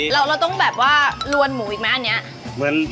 เราต้องแบบว่าลวนหมูอีกไหมอันนี้